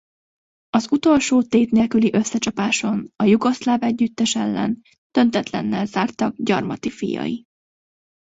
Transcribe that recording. Az utolsó tét nélküli összecsapáson a jugoszláv együttes ellen döntetlennel zártak Gyarmati fiai.